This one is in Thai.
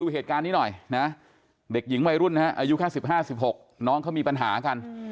เหตุการณ์นี้หน่อยนะเด็กหญิงวัยรุ่นนะฮะอายุแค่๑๕๑๖น้องเขามีปัญหากัน